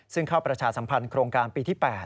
ซึ่งเข้าประชาสัมพันธ์โครงการปีที่๘